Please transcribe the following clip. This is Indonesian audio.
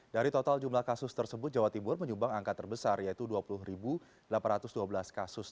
dari total jumlah kasus tersebut jawa timur menyumbang angka terbesar yaitu dua puluh delapan ratus dua belas kasus